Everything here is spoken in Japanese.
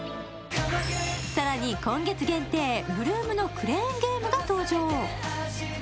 更に、今月限定、８ＬＯＯＭのクレーンゲームが登場。